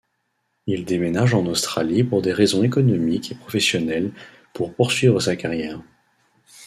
Il déménage en Australie pour des raisons économiques et professionnelles pour poursuivre sa carrière.